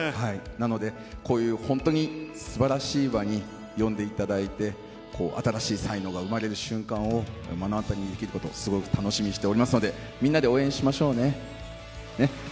なので、こういう本当にすばらしい場に呼んでいただいて、新しい才能が生まれる瞬間を目の当たりにできることをすごく楽しみにしておりますので、みんなで応援しましょうね、ね？